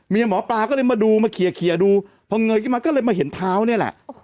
หมอปลาก็เลยมาดูมาเคลียร์ดูพอเงยขึ้นมาก็เลยมาเห็นเท้านี่แหละ